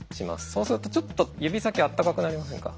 そうするとちょっと指先あったかくなりませんか？